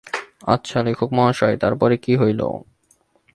আচ্ছা লেখকমহাশয়, তার পরে কী হইল।